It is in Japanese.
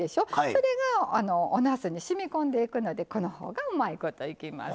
それがおなすにしみこんでいくのでこのほうがうまいこといきます。